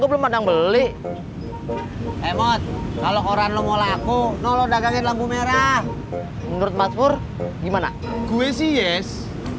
gue beli beli kalau orang mau laku nolong dagangin lampu merah menurut mas pur gimana gue sih yes